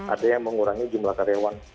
ada yang mengurangi jumlah karyawan